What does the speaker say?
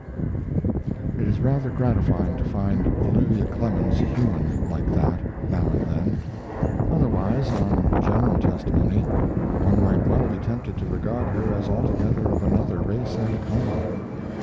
It is rather gratifying to find Olivia Clemens human, like that, now and then. Otherwise, on general testimony, one might well be tempted to regard her as altogether of another race and kind.